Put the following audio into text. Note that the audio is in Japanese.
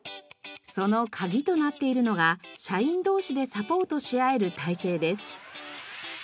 その鍵となっているのが社員同士でサポートし合える体制です。